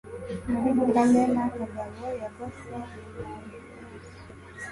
Muri Kamena Kagabo yagose Limoges;